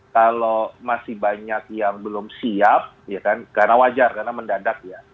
kalau masih banyak yang belum siap karena wajar karena mendadak ya